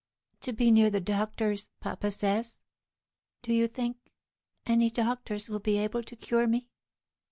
To be near the doctors, papa says. Do you think any doctors will be able to cure me?"